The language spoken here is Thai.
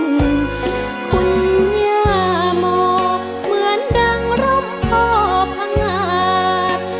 คุณยาโมเหมือนดังร่ำพ่อผ่างหาด